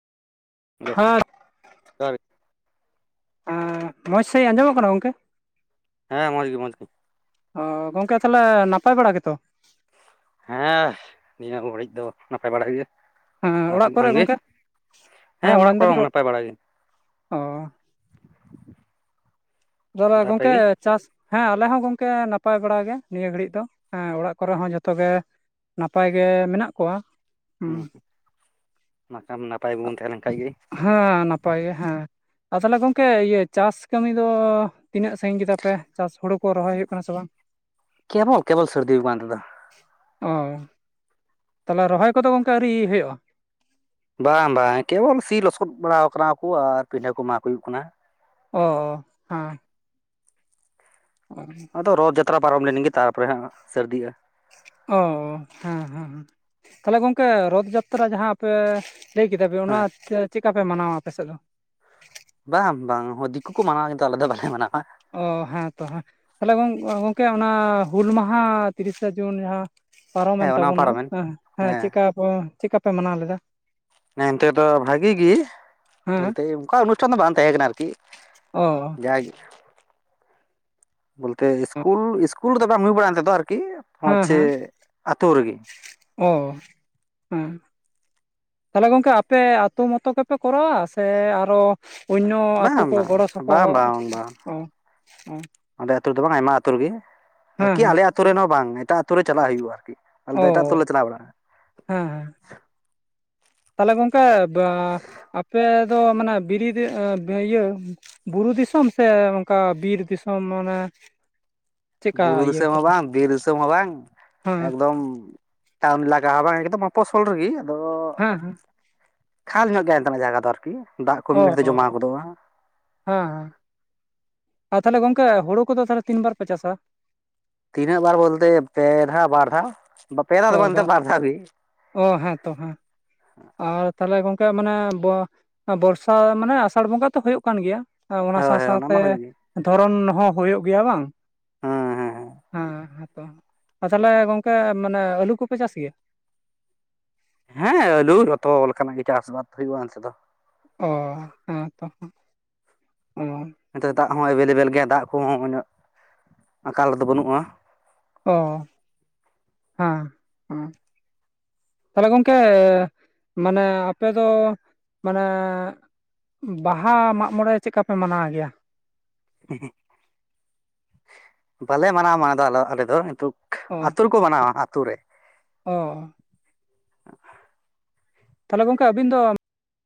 Hello ᱦᱮᱸ ᱡᱚᱦᱟᱨ ᱜᱮ ᱢᱚᱸᱡᱽ ᱥᱟᱺᱦᱤᱡ ᱟᱸᱡᱚᱢᱚᱜ ᱠᱟᱱᱟ ᱜᱚᱝᱠᱮ? ᱦᱮᱸ ᱢᱚᱡᱽ ᱜᱮ ᱢᱚᱡᱽ ᱜᱮ, ᱚ ᱜᱚᱝᱠᱮ ᱛᱟᱦᱚᱞᱮ ᱱᱟᱯᱟᱭ ᱵᱟᱲᱟ ᱜᱮᱛᱚ? ᱦᱮᱸ ᱱᱤᱭᱟᱹ ᱜᱷᱟᱹᱲᱤᱡ ᱫᱚ ᱱᱟᱯᱟᱭ ᱵᱟᱲᱟ ᱜᱮ᱾ ᱦᱮᱸ ᱚᱲᱟᱜ ᱠᱚᱨᱮ ᱟᱢᱜᱮ ᱜᱚᱝᱠᱮ ᱦᱮᱸ ᱚᱲᱟᱜ ᱠᱚᱨᱮ ᱢᱮᱱᱫᱟᱞᱤᱧ ᱚ ᱱᱟᱯᱟᱭ ᱵᱟᱲᱟ ᱜᱮ᱾ ᱫᱟᱨᱟ ᱟᱫᱚ ᱟᱯᱮ ᱜᱚᱝᱠᱮ ᱜᱮ ᱪᱟᱥ ᱦᱮᱸ ᱟᱞᱮ ᱦᱚᱸ ᱜᱚᱝᱠᱮ ᱱᱟᱯᱟᱭ ᱵᱟᱲᱟ ᱜᱮ ᱱᱤᱭᱟᱹ ᱜᱷᱟᱹᱲᱤᱡ ᱫᱚ᱾ ᱦᱮᱸ ᱚᱲᱟᱜ ᱠᱚᱨᱮ ᱦᱚᱸ ᱡᱚᱛᱚ ᱜᱮ ᱱᱟᱯᱟᱭ ᱜᱮ ᱢᱮᱱᱟᱜ ᱠᱚᱣᱟ᱾ [unintelligible] ᱱᱟᱯᱟᱭ ᱵᱟᱵᱚᱱ ᱛᱟᱦᱮᱸ ᱞᱮᱱ ᱠᱷᱟᱡ ᱜᱮ ᱦᱮᱸ ᱱᱟᱯᱟᱭ ᱜᱮ ᱦᱮᱸ, ᱟ ᱛᱟᱦᱚᱞᱮ ᱜᱚᱢᱠᱮ ᱤᱭᱟᱹ ᱪᱟᱥ ᱠᱟᱹᱢᱤ ᱫᱚ ᱛᱤᱱᱟᱹᱜ ᱥᱟᱹᱜᱤᱧ ᱠᱮᱫᱟ ᱯᱮ ᱪᱟᱥ ᱦᱩᱲᱩ ᱠᱚ? ᱠᱚ ᱨᱚᱦᱚᱭ ᱦᱩᱭᱩᱜ ᱠᱟᱱᱟ ᱥᱮ ᱵᱟᱝ ᱠᱮᱵᱚᱞ ᱠᱮᱵᱚᱞ ᱥᱟᱹᱨᱫᱤ ᱟᱠᱟᱱ ᱛᱮᱫᱚ ᱚᱻ ᱛᱟᱦᱚᱞᱮ ᱨᱚᱦᱚᱭ ᱠᱚᱫᱚ ᱜᱚᱝᱠᱮ ᱟᱹᱣᱨᱤ ᱦᱩᱭᱩᱜᱼᱟ? ᱵᱟᱝ ᱵᱟᱝ ᱠᱮᱵᱚᱞ ᱥᱤ ᱞᱚᱥᱚᱫ ᱵᱟᱲᱟ ᱠᱟᱱᱟ ᱠᱚ ᱟᱨ ᱯᱤᱰᱟᱹ ᱠᱚ ᱢᱟᱜ ᱦᱩᱭᱩᱜ ᱠᱟᱱᱟ᱾ ᱚᱸ ᱚᱸ ᱦᱮᱸ [unintelligible] ᱟᱫᱚ ᱨᱚᱛ ᱡᱟᱛᱨᱟ ᱯᱟᱨᱚᱢ ᱞᱮᱱᱜᱮ ᱛᱟᱨᱯᱚᱨᱮ ᱦᱟᱸᱜ ᱥᱟᱹᱨᱫᱤᱼᱟ᱾ ᱚ ᱦᱮᱸ ᱦᱮᱸ ᱛᱟᱦᱚᱞᱮ ᱜᱚᱢᱠᱮ ᱨᱚᱛᱷ ᱡᱟᱛᱨᱟ ᱡᱟᱦᱟᱸ ᱟᱯᱮ ᱞᱟᱹᱭ ᱠᱮᱫᱟᱯᱮ ᱚᱱᱟ ᱦᱮᱸ ᱪᱮᱫᱠᱟ ᱯᱮ ᱢᱟᱱᱟᱣᱟ ᱟᱯᱮ ᱥᱮᱫ ᱫᱚ? ᱵᱟᱝ ᱵᱟᱝ ᱫᱤᱠᱩ ᱠᱚ ᱢᱟᱱᱟᱣᱮᱫᱟ᱾ ᱟᱞᱮ ᱫᱚ ᱵᱟᱞᱮ ᱢᱟᱱᱟᱣᱟ᱾ ᱚ ᱦᱮᱸ ᱛᱚ ᱦᱮᱸ ᱛᱟᱦᱚᱞᱮ ᱜᱚᱢᱠᱮ ᱚᱱᱟ ᱦᱩᱞ ᱢᱟᱦᱟ ᱛᱤᱨᱤᱥᱟ ᱡᱩᱱ ᱡᱟᱦᱟᱸ ᱯᱟᱨᱚᱢᱮᱱ ᱦᱮᱸ ᱚᱱᱟ ᱛᱟᱵᱚᱱᱟ ᱯᱟᱨᱚᱢᱮᱱ ᱦᱮᱸ ᱦᱮᱸ ᱪᱤᱠᱟ ᱠᱚ ᱪᱮᱫᱠᱟ ᱯᱮ ᱢᱟᱱᱟᱣ ᱞᱮᱫᱟ? ᱦᱮᱸ ᱚᱱᱛᱮ ᱫᱚ ᱵᱷᱟᱜᱤ ᱜᱮ ᱦᱮᱸ ᱵᱚᱞᱛᱮ ᱚᱱᱠᱟ ᱚᱱᱩᱥᱴᱷᱟᱱ ᱫᱚ ᱵᱟᱝ ᱛᱟᱦᱮᱸ ᱠᱟᱱᱟ ᱟᱨᱠᱤ᱾ ᱚᱻ ᱡᱟᱜᱮ ᱵᱚᱞᱛᱮ ᱤᱥᱠᱩᱞ ᱤᱥᱠᱩᱞ ᱨᱮᱫᱚ ᱵᱟᱢ ᱦᱩᱭ ᱵᱟᱲᱟᱭᱮᱱ ᱮᱱᱛᱮᱫ ᱟᱨᱠᱤ? ᱦᱮᱸ ᱦᱚᱸᱪᱷᱮ ᱟᱛᱳ ᱨᱮᱜᱤ, ᱚᱻ ᱦᱮᱸ ᱛᱟᱦᱚᱞᱮ ᱜᱚᱝᱠᱮ ᱟᱯᱮ ᱟᱛᱳ ᱢᱚᱛᱚ ᱜᱮᱯᱮ ᱠᱚᱨᱟᱣᱟ, ᱥᱮ ᱟᱨᱚ ᱚᱭᱱᱚ ᱟᱛᱳ ᱵᱟᱝ ᱠᱚ ᱵᱟᱝ ᱜᱚᱲᱚ ᱵᱟᱝ ᱥᱚᱯᱚᱦᱚᱜ, ᱚ, ᱚ, ᱟᱞᱮ ᱟᱹᱛᱩ ᱨᱮᱫᱚ ᱵᱟᱝ ᱟᱭᱢᱟ ᱟᱹᱛᱩ ᱨᱮᱜᱮ, ᱦᱮᱸ ᱟᱨᱠᱤ ᱦᱮᱸ ᱟᱞᱮ ᱟᱹᱛᱩ ᱨᱮᱱ ᱦᱚᱸ ᱵᱟᱝ, ᱮᱴᱟᱜ ᱟᱹᱛᱩ ᱨᱮ ᱪᱟᱞᱟᱜ ᱦᱩᱭᱩᱜᱼᱟ᱾ ᱟᱨᱠᱤ ᱟᱞᱮ ᱚ ᱫᱚ ᱮᱴᱟᱜ ᱟᱹᱛᱩ ᱞᱮ ᱪᱟᱞᱟ ᱵᱟᱲᱟ-ᱟ᱾ ᱦᱮᱸ ᱦᱮᱸ, ᱛᱟᱦᱚᱞᱮ ᱜᱚᱝᱠᱮ ᱵᱟ ᱟᱯᱮ ᱫᱚ ᱢᱟᱱᱮ ᱵᱤᱨᱤᱫ ᱮᱸ ᱤᱭᱟᱹ, ᱵᱩᱨᱩ ᱫᱤᱥᱚᱢ, ᱥᱮ ᱚᱱᱠᱟ ᱵᱤᱨ ᱫᱤᱥᱚᱢ, ᱢᱟᱱᱮ ᱪᱮᱫᱠᱟ ᱵᱩᱨᱩ ᱤᱭᱟᱹ ᱫᱤᱥᱚᱢ ᱦᱚ ᱛᱟᱯᱮ ᱵᱟᱝ, ᱵᱤᱨ ᱫᱤᱥᱚᱢ ᱦᱚ ᱵᱟᱝ, ᱦᱮᱸ ᱮᱠᱫᱚᱢ ᱛᱟᱢ ᱞᱟᱜᱟ ᱦᱚ ᱵᱟᱝ ᱮᱠᱫᱚᱢ ᱚᱯᱚᱥᱚᱞ ᱨᱮᱜᱤ ᱾ ᱦᱮᱸ ᱦᱮᱸ ᱠᱷᱟᱞ ᱧᱚᱜ ᱜᱮᱭᱟ ᱚᱱᱛᱮᱱᱟᱜ ᱡᱟᱭᱜᱟ ᱫᱚ ᱟᱨᱠᱤ ᱫᱟᱜ ᱠᱚ ᱚ ᱢᱤᱫ ᱜᱷᱟᱹᱲᱤᱡ ᱛᱮ ᱡᱚᱢᱟᱣ ᱜᱚᱫᱚᱜᱼᱟ ᱾ ᱦᱮᱸ ᱚ ᱛᱟᱦᱚᱞᱮ ᱜᱚᱝᱠᱮ ᱦᱩᱲᱩ ᱠᱚᱫᱚ ᱛᱤᱱ ᱵᱟᱨ ᱯᱮ ᱪᱟᱥᱟ? ᱛᱤᱱᱟᱹᱜ ᱫᱷᱟᱣ ᱵᱚᱞᱛᱮ ᱯᱮ ᱫᱷᱟᱣ, ᱵᱟᱨ ᱫᱷᱟᱣ, ᱯᱮ ᱫᱷᱟ ᱚ ᱫᱚ ᱵᱟᱝ ᱵᱟ ᱵᱟᱨ ᱫᱷᱟᱣ ᱜᱮ ᱾ ᱚ ᱦᱮᱸ ᱛᱚ ᱦᱮᱸ, ᱚ ᱛᱟᱦᱚᱞᱮ ᱜᱚᱝᱠᱮ ᱢᱟᱱᱮ ᱵᱚ ᱵᱚᱨᱥᱟ ᱢᱟᱱᱮ ᱟᱥᱟᱲ ᱵᱚᱸᱜᱟ ᱛᱚ ᱦᱩᱭᱩᱜ ᱠᱟᱱ ᱜᱮᱭᱟ ᱾ ᱚᱱᱟ ᱦᱳᱭ ᱥᱟᱶ ᱦᱳᱭ ᱥᱟᱶᱛᱮ ᱢᱟ ᱦᱩᱭᱩᱜ ᱜᱮ ᱫᱷᱚᱨᱚᱱ ᱦᱚᱸ ᱦᱩᱭᱩᱜ ᱜᱮᱭᱟ ᱵᱟᱝ, ᱦᱮᱸ ᱦᱮᱸ ᱦᱮᱸ ᱦᱮᱛᱚ, ᱚ ᱛᱟᱦᱚᱞᱮ ᱜᱚᱝᱠᱮ ᱢᱟᱱᱮ ᱟᱹᱞᱩ ᱠᱚᱯᱮ ᱪᱟᱥ ᱜᱮᱭᱟ? ᱦᱮᱸ ᱟᱹᱞᱩ ᱡᱚᱛᱚ ᱞᱮᱠᱟᱱᱟᱜ ᱜᱮ ᱪᱟᱥ ᱵᱟᱫ ᱦᱩᱭᱩᱜᱼᱟ ᱚᱱᱛᱮ ᱫᱚ ᱾ ᱚ ᱦᱮᱸ ᱛᱚ ᱦᱟᱜ, ᱚ ᱮᱱᱛᱮ ᱫᱟᱜ ᱦᱚ ᱮᱵᱮᱞᱮᱵᱮᱞ ᱜᱮᱭᱟ, ᱫᱟᱜ ᱠᱚᱦᱚ ᱩᱱᱟᱜ ᱟᱠᱟᱞ ᱨᱮᱫᱚ ᱵᱟᱹᱱᱩᱜᱼᱟ ᱾ ᱚ ᱦᱮᱸ, ᱦᱮᱸ ᱛᱟᱦᱚᱞᱮ ᱜᱚᱝᱠᱮ ᱢᱟᱱᱮ ᱟᱯᱮᱫ ᱫᱚ, ᱢᱟᱱᱮ ᱵᱟᱦᱟ ᱢᱟᱜ ᱢᱚᱬᱮ ᱪᱮᱫᱠᱟ ᱯᱮ ᱢᱟᱱᱟᱣ ᱜᱮᱭᱟ? ᱵᱟᱞᱮ ᱢᱟᱱᱟᱣᱟ ᱢᱟᱱᱟᱣ ᱚ ᱫᱚ [unintelligible] ᱠᱚ ᱢᱟᱱᱟᱣᱟ ᱟᱛᱩ ᱨᱮ ᱾ ᱚ ᱛᱟᱦᱚᱞᱮ ᱜᱚᱝᱠᱮ ᱟᱵᱤᱱ ᱫᱚ